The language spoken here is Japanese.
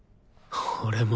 俺も。